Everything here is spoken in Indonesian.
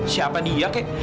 siapa dia kek